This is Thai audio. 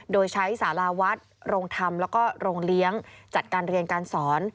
โดยใช้สาราวัดโรงธรรมแล้วก็โรงเลี้ยงจัดการเรียนการสอน